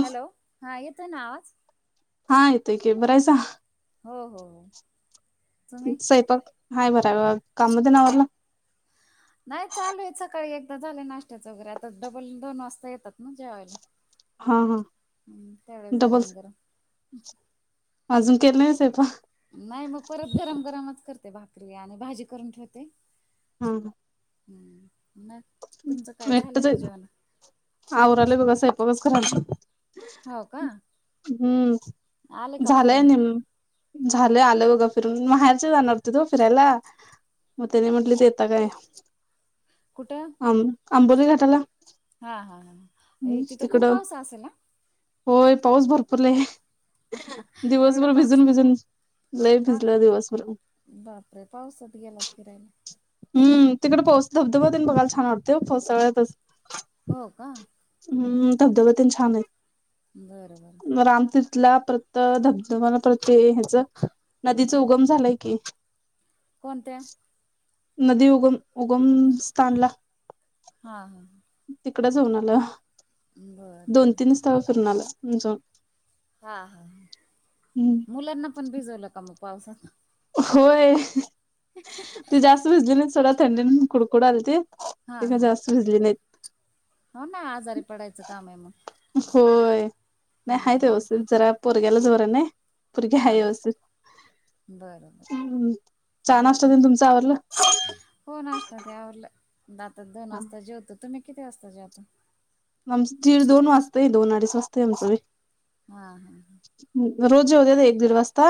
Hello? हां येतोय ना आवाज? हां येतोय की बरं आहेसा? हो हो हो. तुम्ही तुमचं स्वयंपाक, हाय बरं आहे बघा काम तेन आवरलं? नाही चालू आहे सकाळी एकदा झालंय एकदा नाश्त्याचं वगैरे आता डबल दोन वाजता येतात ना जेवायला. हां हां. हं त्यावेळेस गरम गरम? अजून केले नाही [unintelligible] नाही मग परत गरम गरमच करते भाकरी आणि भाजी करून ठेवते. हां हां. हम्म मग तुमचं काय झालं का जेवण? आवरालोय बघा स्वयंपाकच करालोय. हो का हम्म, आले का झालंय फिरून निम झालंय आलं बघा फिरून, माहेरचे जाणार होतीत हो फिरायला. मग त्यांनी म्हटलेत येता काय? कुठं? आं-आंबोली घाटाला. हां हां हां ये तिथं खूप तिकडं पाऊस असेल ना? होय पाऊस भरपूर लय आहे. एवढा दिवसभर पाऊस भिजून भिजून लय हा भिजलं दिवसभर. बापरे! पावसात गेलात फिरायला. हम्म, तिकडं पाऊस धबधबा तेन बघायला छान वाटतंय हो पावसाळ्यातच. हो का? हम्म धबधबा तेन छान आहे. बरं बरं. रामतीर्थला प्रत धबधबा प्रत्येक ह्याच नदीच उगम झालाय की. कोणत्या? नदी उगम उगमस्थानला. हा हा तिकडं जाऊन आलं बरं दोन, बरं. तीन स्थळ फिरून आलं जाऊन. हा हा मुलांना पण भिजवलं का? मग पावसात. होय. [unintelligible] ती जास्त भिजली नाहीत सोडा थंडीन कुडकुडाल ते. हा काय हा जास्त भिजली नाहीत हो ना आजारी पडायचं काम आहे मग. होय नाही हायत हम्म. व्यवस्थित जरा पोरग्यालाच बरं नाय. पोरगी हा हाय व्यवस्थित. बरं हम्म बरं चहा बाकी नाष्टा आणि तुमचं आवरल. हो नाष्टा ते आवरलं. [unintelligible] दोन हा वाजता जेवतो, तुम्ही किती वाजता जेवता? आची दोन वाजता येईल दोन अडीच वाजता येईल. हा हा ह रोज जेवत्यात एक दीड वाजता.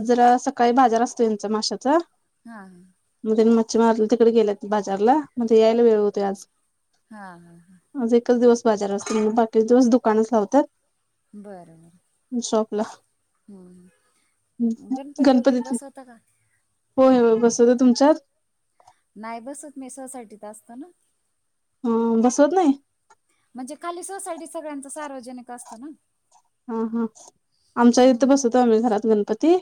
आज जरा स काय बाजार असतो तुमचा माशाचा. हां हां. मग त्यांनी मच्छी मारली तिकडे गेल्यात बाजारला, मग यायला वेळ होतोय आज. हां हां हां. आज एकच दिवस बाजार असतो बाकीचे दिवस दुकानच लावतात. बर शॉपला. हं. गणपती वगैरे गणपतीत बसवता का? होय होय बसवतात, तुमच्यात? नाही बसत मी सोसायटीत असतो ना. हम्म बसवत नाही. म्हणजे खाली सोसायटी सगळ्यांच सार्वजनिक असतं. हां हां, आमच्या इथे हम्म बसवतो आम्ही घरात गणपती.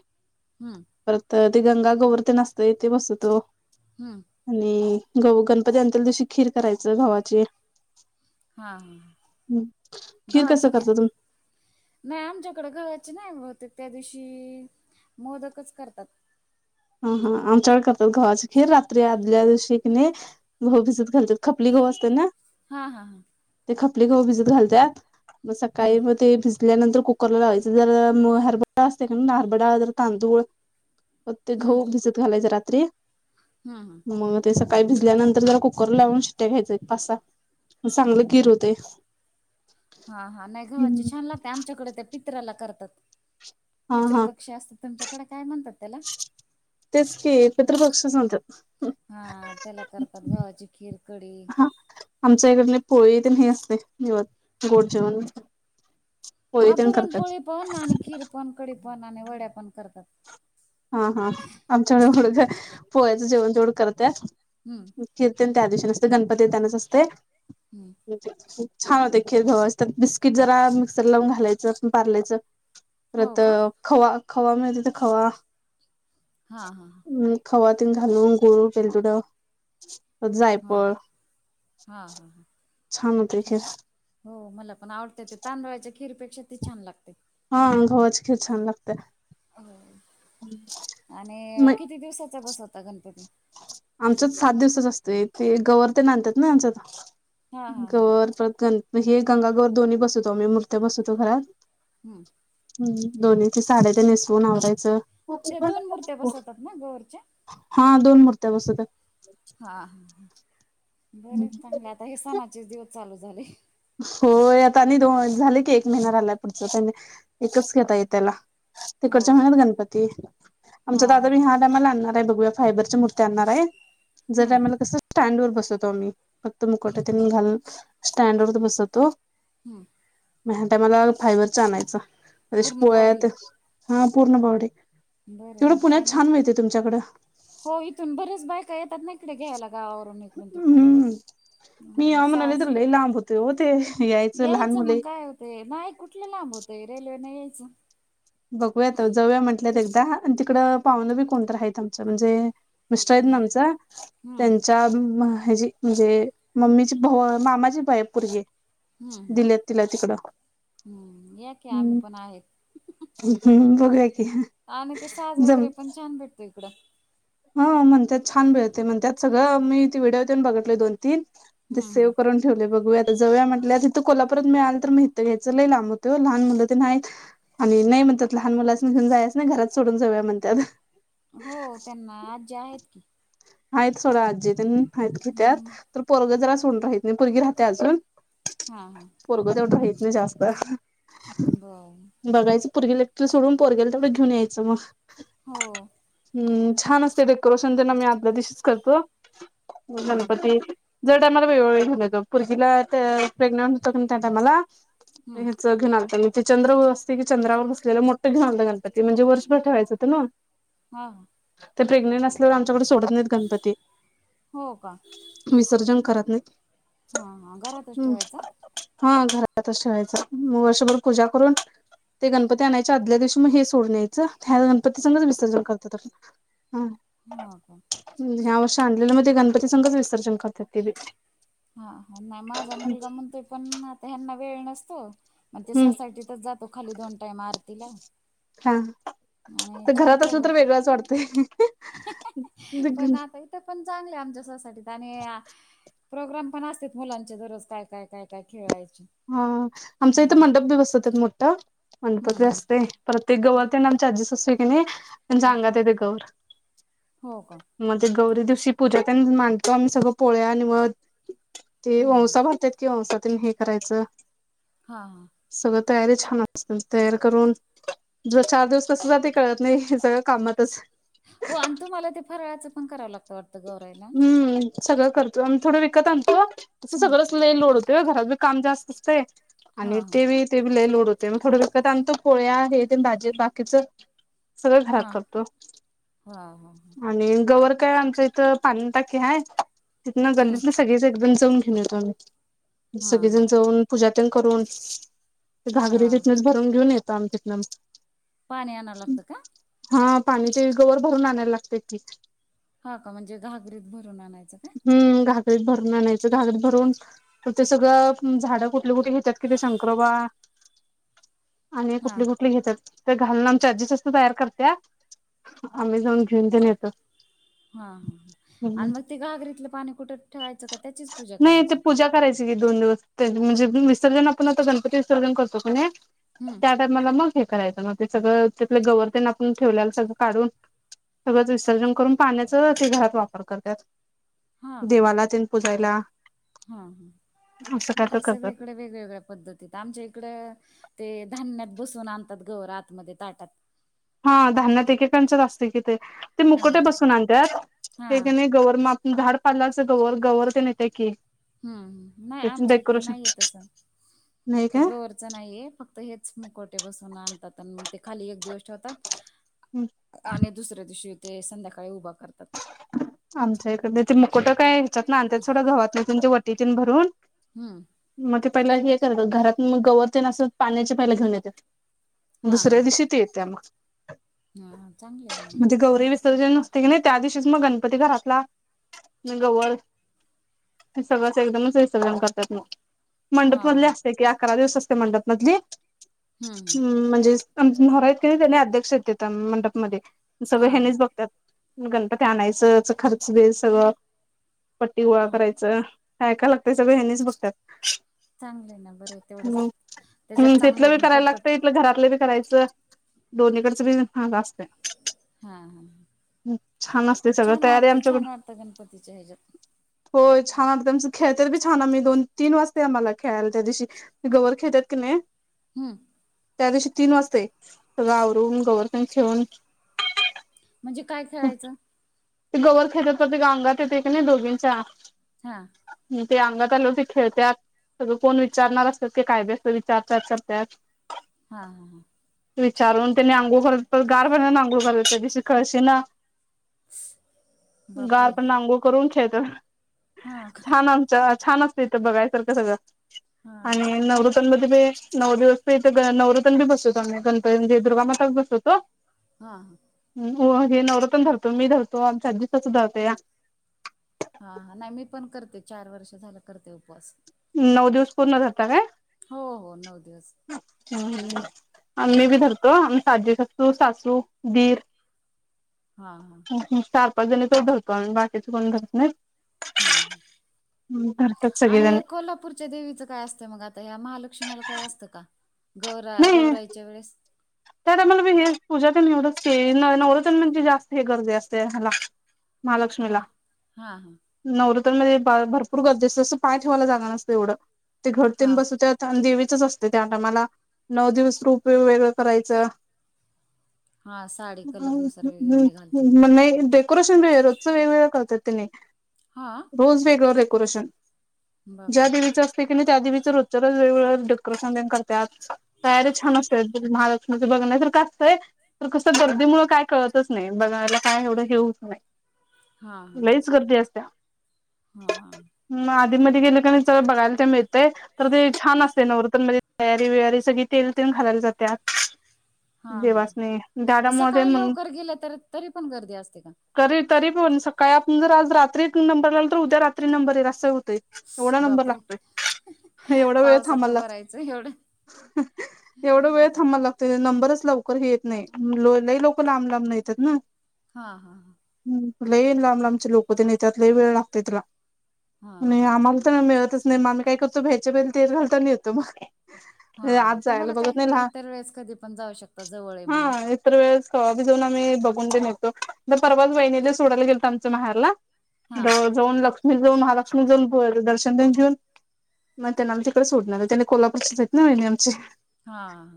हम्म परत ते गंगा, गौर तेन असतंय, ते बसवतो. हम्म. आणि गणपती आणत्याल दिवशी खीर करायची गव्हा खीर, हा हा खीर कसं करता तुम्ही? नाही आमच्याकडें घवाचे नाही होत त्या दिवशी मोदकच करतात. हां हां आमच्याकडे करतात गव्हाची खीर. रात्री आदल्या दिवशी क नाय घव भिजत घालतात खपली घव असतात ना. हां हां हां. ते खपली गहू भिजत घालत्यात. मग हम्म सकाळी म ते भिजल्यानंतर कुकरला लावायचं. जरा म हरब डाळ असते का नाही श हरब डाळ, जरा तांदूळ मग ते गहू भिजत घालायचं रात्री. हं हं. मग ते सकाळी भिजल्यानंतर, जरा कुकर लावून शिट्ट्या घ्यायचं एक पाच सहा. मग चांगलं गीर होतंय. हां हां नाही गव्हाची हम्म. छान लागते, आमच्याकडे त्या पित्रला करतात. हा हा पितृपक्षी असत तुमच्याकडे काय म्हणतात त्याला. तेच की पितृपक्षच म्हणतात हा त्याला करतात गव्हाची खीर, कडी. हा आमच्या इकडने पोळीथ नाही असते निवद गोड जेवण. पोळी हा तेन पुरण करतात पोळी, पण आणि खीर, पण कडी, पण आणि वड्या, पण करतात. हा हा आमच्याकड कुठं काय पोळ्याचं जेवण तेवढं कर त्यात. हम्म कीर्तन त्या दिवशीने असते गणपती त्यानाच असते. हम्म. खूप छान! होते खीर गव्हाची तर बिस्किट जरा मिक्सर लावून घालायचं पारलेचं. हो परत का खवा, खवा, मिळते तर खवा हा हा खवातीून घालून गुळू, वेलदोडं, हा हा जायपळ. हा हा हा. छान होते खीर. हो मला पण आवडत ते तांदळाच्या खीरपेक्षा ती छान लागते. हा गव्हाची खीर छान लागते. हो आणि म किती? दिवसाचा बसवता गणपती. आमच्यात सात दिवसांच असत. ते गवर ते आणतात ना आमच्यात. हा हा हा गवर, परत गण हे गंगा गवर दोन्ही बसवतो. आम्ही मूर्त्या बसवतो घरात. हम्म. हम्म दोन्हीची साड्या ते नेसवून आवरायचं. ते दोन मूर्त्या बसवतात. ना गवरच्या. हा दोन मूर्त्या बसतात. हा हा बर चांगले आता हे सणाचेच दिवस चालू झाले. आता आणि दो झाले एक महिना राहिलाय पुढचा त्यांनी एकच घेता य त्याला. हो तिकडच्या महिन्यात गणपती आमचा दादा बी हा टयमला आणणार आहे बघूया. फायबरच्या मूर्ती आणणार आहे. जरी हम्म आम्हाला कसं स्टँड वर बसवतो. आम्ही फक्त मुकुट ते घालून स्टँड वरती बसवतो. हम्म. या टाईमाला फायबर च आणायचं [unintelligible] पूर्ण पोळ्या बॉडी ते हा पूर्ण बॉडी बरं तेवढं मग काय पुण्यात नाही. छान! मिळत तुमच्याकडं. इथून बरेच बायका येतात ना इकडे घ्यायला गवरून इकडून तिकडून. हम्म मी अ याव म्हणाले साज तर लय लांब होते. हो ते यायचं लहान मुले ते नाही कुठलं? लांब होतंय रेल्वेने यायचं. बघूयात जऊया म्हंटल्यात एकदा आणि पाहुणं बी कोणतरी आहे म्हणजे- मिस्टर आहेत ना आमचा हम्म त्यांच्या हजी म्हणजे मम्मीची भऊ मामाची बाय पोरगीय. हम्म हम् हम्म या की आम्ही हम्म पण आहे. बघूया की आणि ते साज जम वगैरे पण छान भेटतो इकडं. हा म्हणतात छान मिळतंय म्हणतात सगळं मी ते व्हिडिओ तेन बघितलंय दोन तीन म ते हम्म सेव हम्म करून ठेवलंय बघूया आता जाऊया म्हटल्यात हित कोल्हापूरात मिळाला तर हित घ्यायचं लई लांब होतंय वो लहान मुलं तेण आहित. आणि नाही म्हणतात लहान मुलांसनी घेऊन जायचं नाही घरात सोडून जाऊया म्हणत्यात. हो त्यांना आज्ज्या आहेत की. आहेत सोडा आजी तेच आहेत घेत्यात हम्म तर पोरग जरा सोडून राहीत नाही पोरगी राहती अजून हा हा पोरग तेवढं रहित नाही जास्त, बरं बघायचं पोरगीला सोडून पोरग्याला तेवढं घेऊन यायचं मग. हो हम्म छान असतंय डेकोरेशन तेण आम्ही आधल्या दिवशीच करतो हम्म गणपती दर टायमाला वेगवेगळी घेऊन येतो पोरगीला प्रेग्नंट होतो कणी त्या टायमाला हम्म घेऊन आलतो मी ते चंद्रावर असतं की चंद्रावर बसलेल मोठ घेऊन आलतो गणपती म्हणजे वर्षभर ठेवायचं होतं नव्हं. [unintelligible] हा ते प्रेग्नेंट असल्यावर आमच्याकडे सोडत नाहीत गणपती, हो का विसर्जन करत नाही हा हा घरातच हम्म. ठेवायचा हा घरातचं ठेवायचा म वर्षभर पूजा करून ते गणपती आणायच्या आदल्या दिवशी हे सोडून यायचं ह्या गणपती संगच विसर्जन करतात. ह्अ हा का यावर्षी आणलेलं म ते गणपती संगच विसर्जन करत्यात तेबी, हा नाही माझा मुलगा म्हणतोय पण आता यांना वेळ नसतो पण ते हम्म सोसायटीतच जातात ओ खाली दोन टाईम आरतीला, हा आणि ते छान घरात असलं प्रोग्राम तर वेगळंच वाटतंय विघ्न ते पण चांगलं आहं आमच्या सोसायटीत आणि प्रोग्राम पण असतात मुलांचे दररोज काय काय काय काय खेळायचे. हा आमच्या इथे हम्म मंडप भी बसवतात मोठं हम्म गणपती हम्म असतंय, परत ते गोवर तेण आमची आजी सासू आहं कणी त्यांच्या अंगात येते गोऊर हो का मग ते गौरी दिवशी पूजा तेण माडतो आम्ही सगळं पोळ्या आणि नैवध, हे हम्म ववसा भरत्यात की ववसा तेण हे करायचं? हा. सगळी तयारी छानच [inaudible] तयार करून जर चार दिवस कसं जातंय कळत नाही हे सगळं कामातच, हो आणं तुम्हाला ते फराळाचं पण करावं लागतं वाटतं गौराईला ना हु सगळं करतो आणि थोडं विकत आणतो तसं हं सगळं च लई लोड होतंय हो घरात बी काम जास्त असतंय आणि हां ते भी ते भी लई लोड होतंय मग थोडं विकत आणतो पोळ्या हे तेन भाजी बाकीचं सगळं घरात हां करतो हां हां आणि गवर काय आमच्या हितं पाणीची टाकी हाय तिथंन हां गल्लीतली सगळीच एकदम जाऊन घेऊन येतो आम्ही‍, हां सगळी हां जण जावून पूजा तेण करून घागरी हां तिथनचं भरून घेऊन येतो आम्ही तिथंन आम्ही पाणी आणाव लागतं का? हां पाणी ते गवर भरून आणायला लागतं की. हा का? म्हणजे घागरीत भरून आणायचं काय? हम्म घागरीत भरून आणायचं, घागरी भरून म ते सगळं झाड कु कुटली कुतली घेत्यात की ते शंकरोबा, आणि हां कुटली कुटली घेत्यात. ते घालून आमची आजी तसलं तयार करत्या, आम्ही जाऊन घेऊन तेन येतोय. हां हां हां, आणि मग ते घागरीतलं पाणी कुठ ठेवायचं का त्याचीच पूजा करायची? करायचं की दोन दिवस, तेच म्हणजे विसर्जन आपण आता गणपती विसर्जन करतो की नी हम्म. त्या टायमाला म हे करायचं, मग ते सगळं तिथलं गवर तेन आपूण ठेवल्याल सगळं काढून सगळच विसर्जन करून पाण्याचं ते घरात वापर करत्यात, हा का देवाला तेन पुजायला. हां हां, असं काय बर तर ये करतात. सगळीकडे वेगवेगळं पद्धतीत, आमच्या इकडं ते धान्यात बसवून आणतात गवर आत मध्ये ताटात. हा धान्यात एक एक कांच्यात असत्यात की ते, ते मुखवटे हां बसून आणत्यात, ते हां कीनी गवर म झाड पाल्याच गवर- गवर तेन येत्या की? हम्म हम्म, नाही त्याच आमच्या इकडं डेकोरेशन नाहीये तसं, नाही ते काय गवर च नाही ये, फक्त हेच मुखवटे बसवून आणतात, आनं म ते खाली एक दिवस ठेवतात हम्. आणि दुसऱ्या दिवशी ते संध्याकाळी उबा करतात. आमच्या इकड ते त्याचे मुकुट काय ह्याच्यातन आंत्यात सोडा घवातन त्यांची वटी तेन भरून हम्म. म ते पहिला हे करतात, घरात मग गवर तेन अस पाण्याचे पहिला घेऊन येत्यात. हा हा दुसऱ्या दिवशी ते येत्या म, हा हा चांगले आहे ना मग. म ते गौरी विसर्जन ते कणी त्यादिवशीच मग गणपती घरातला, आणि गवर ती सगळंच एकदमच विसर्जन करत्यात मंग. मंडप मधली हा असत्या कि अकरा दिवस असत्या मंडप मधली, हम्म हम्म. हम् म्हणजे आमच नव्हरा हाईत कणी, तेनी अध्यक्ष हाईत तिथं मंडपमध्ये सगळ हा हा हेनीच बघत्यात. गणपती आणायचं च खर्च ते सगळं, पट्टी गोळा हा करायचं काय काय लागतय सगळं हेनीच बघत्यात. चांगलं आहे ना बरं तेवढंच, त्याच्यात चांगलं नी पटपट आपलं घरातलं बी करायचं, दोनिकडचं बी अस असतंय. हां हां, छान असते पण सगळं छान तयारी वाटतं आमच्याकडून छान वाटतं गणपतीच्या ह्याच्यात. होय छान वाटतंय, आमचं खेळत्यात बी छान आम्ही दोन तीन वाजतय आम्हाला खेळायला त्या दिवशी गवर खेळत्यात की नी हम्म. त्या दिवशी तीन वाजतय, सगळं आवरून, गवर तेन खेळून म्हणजे काय खेळायचं? ते गवर खेळत्यात, परत ते अंगात येतय क नी दोघींच्या हां. म ते अंगात आल्यावरती खेळत्यात सगळं कोण विचारणार असत्यात ते काय बी असं विचारत्यात करत्यात. हां हां हां. विचारून तेनी अंघोळ करत परत गार पाण्यान आंघोळ करत्यात त्या दिवशी कळशीन [inaudible] गार बापरे पाण्यान अंघोळ करून खेळत्यात. हां का? आमच्या छान असते इथं बघाय सारखं सगळं, हा आणि चांग नाही नवरतन मध्ये बी नऊ दिवस इथे ग नवरातन बी बसतो आम्ही, म्हजे दुर्गा माता बी बसवतो हां हां. हो, हे नवरातन धरतो, मी धरतो, आमची आजीसासु धरते. हाहा, नाही मी पण करते, चार वर्ष झालं करते उपवास. नऊ दिवस पूर्ण धरता काय? हो हो नऊ दिवस. अं हं हं, हा आम्ही बी धरतो, आम्ही आजे सासू, सासू, दीर हा हा. चार-पाच जणीचाच धरतो आम्ही, बाकीच कोण धरत नाहीत. हा, धरतात सगळेजण आणि कोल्हापूर च्या देवीचं काय असतं मग, आता ह्या महालक्ष्मीला काय असतं का, गौरा नाही गौवराईच्या वेळेस त्या टायमाला बी हे, पूजा तेन एवढंच की, नव नवरतन म्हणजे जास्त गर्दी गर्दी आसत्या ह्याला महालक्ष्मीला. हा हा हा नवरात्र मध्ये भर भरूपुर गर्दी असत्या असं पाय ठेवायला जागा नसत्या एवढं, ते घट हा तेन बसवत्यात. अन देवीचच असतय त्या टायमाला, नऊ दिवस रूप वेगवेगळ करायचं, हा साडी कलरनुसार वेगवेगळे घालतात [unintelligible] क्रोशन भैया रोजचं वेगवेगळं करत्यात तनी हां रोज वेगळं डेकोरेशन, ज्या बापरे देवीचं अस तय क नै, त्या देवीचं रोजच्या रोज वेगवेगळं डेकोरेशन तन करत्यात, तयारी छान अस्तात. महालक्ष्मीचं बघण्या सारखं आसतय तर कसं गर्दीमुळं काय कळतच नाही, बघायला काय एवढं हे होत नाही. हा हा लईच गर्दी असत्या. हा मग आधी मध्ये गेल क नाही, सगळं बघायला ते मिळतय. तर ते छान असतय नवरतनमध्ये तयारी वियारी, सगळी तेल तेन घालायला जात्यात. हा हा, देवासनी मग त्यामुळे सकाळी लवकर गेलं तर तरी पण गर्दी असते का? तरी तरी पण सकाळी आपण जर आज रात्री नंबर लावलं तर उद्या रात्री नंबर येईल, असं होतय. एवढा नंबर बापरे लागतोय, एवढा वेळ पावसात थांबायला उभं राहायचं एवढं लाग एवढं वेळ थांबाला लागते, नंबरच लवकर हे येत नाही, लई लोकं लांब लांब नं येतात ना. हा हा हा. हम्म, लय लांब लांब चे लोकं तेन येत्यात, लय वेळ लागतोय तला, हा आणि हा आम्हाला शन मिळतच नाही, आम्ही काय करतो मग, बाहेरच्या बाहेर तेल घालतो आणि येतो मग. हा, आत तुम्हाला काय, इतर वेळेस कधी पण जाऊ शकता जवळ आहे म्हणून हं. इतर वेळेस कवा बी जाऊन आम्ही बघून तेन येतो, आता परवाच वहिणीला सोडायला गेलतो आमच्या माह्यारला हा तवा जाऊन लक्ष्मी जाऊन, महालक्ष्मी जाऊन दर्शन तेन घेऊन मग तनाला तिकडं सुडुन आलं, त्यांनी कोल्हापूरचीच आहेत ना वहिणी आमची. हां.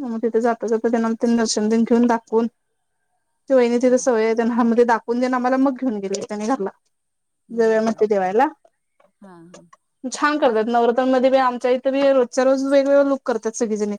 म मग तिथं जाता जाता त्यांना तिथे दर्शन तेन घेऊन दाखवून, ते वहिणी तिथं हा सवययत त्या मध्ये दाखवून तेण आम्हाला मग घेऊन गेलीत त्यानी घरला. जाऊया म्हटलीत बरं देवायला, हां हां छान करत्यात आज नवरतन मधी बी आमच्या इथं बी रोजच्या रोज वेगवेगळं लुक करत्यात सगळी जणी.